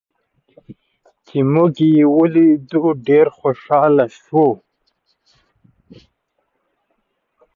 چې موږ یې ولیدو، ډېر خوشحاله شو.